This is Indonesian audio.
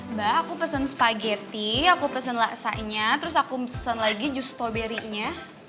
mbak aku pesen spageti aku pesen laksanya terus aku pesen lagi jus tauberinya